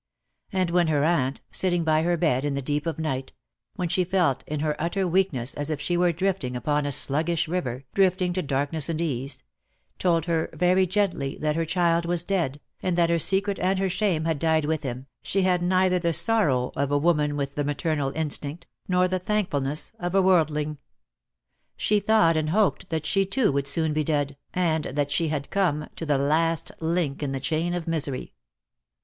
And when her aunt, sitting by her bed in the deep of night — when she felt in her utter weakness as if she were drifting upon a sluggish river, drifting to darkness and ease — told her very gently that her child was dead, and that her secret and her shame had died with him, she had neither the sorrow of a 15* 2 20 DEAD LOVE HAS CHAINS. woman with the maternal instinct, nor the thankful ness of a worldling. She thought and hoped that she too would soon be dead, and that she had come to the last link in the chain of misery.